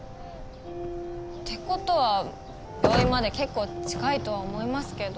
ってことは病院まで結構近いとは思いますけど。